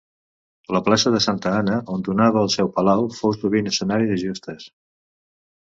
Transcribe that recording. La plaça de Santa Anna, on donava el seu palau, fou sovint escenari de justes.